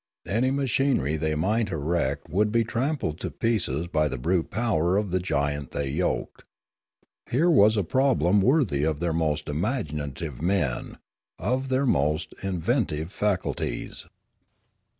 Any machinery they might erect would be 1 86 Limanora trampled to pieces by the brute power of the giant they yoked. Here was a problem worthy of their most imaginative men, of their most inventive faculties.